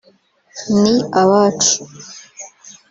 ni abacu